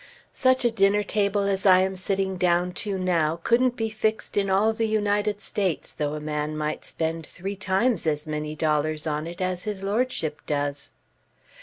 "Such a dinner table as I am sitting down to now couldn't be fixed in all the United States though a man might spend three times as many dollars on it as his lordship does."